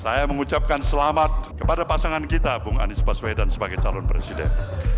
saya mengucapkan selamat kepada pasangan kita bung anies baswedan sebagai calon presiden